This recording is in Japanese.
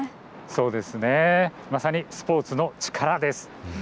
そうですね、まさにスポーツの力です。